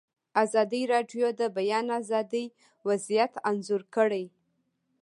ازادي راډیو د د بیان آزادي وضعیت انځور کړی.